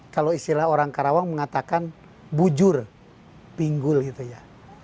kalau istilah orang karawang mengatakan bujur pinggul gitu ya